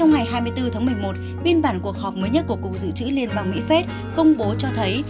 ngày hai mươi bốn tháng một mươi một biên bản cuộc họp mới nhất của cục dự trữ liên bang mỹ phép công bố cho thấy